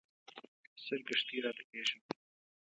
سرګښتۍ راته پېښه وه.